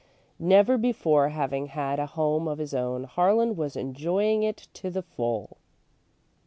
Never before having had a home of his own, Harlan was enjoying it to the full.